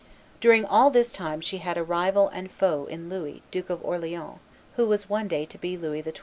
During all this time she had a rival and foe in Louis, Duke of Orleans, who was one day to be Louis XII.